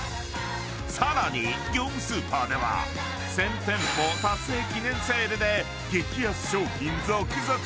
更に、業務スーパーでは１０００店舗達成記念セールで激安商品続々。